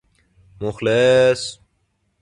مخلص